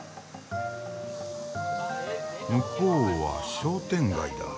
向こうは商店街だ。